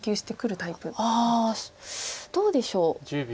ああどうでしょう。